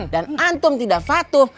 dan antum tidak fatu